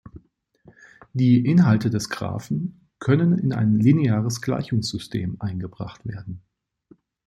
Die Inhalte des Graphen können in ein lineares Gleichungssystem eingebracht werden.